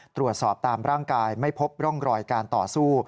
ตรวจสอบตามร่างกายไม่พบร่องรอยการต่อสู้